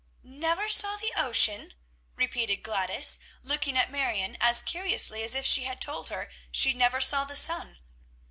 "Never saw the ocean?" repeated Gladys, looking at Marion as curiously as if she had told her she never saw the sun.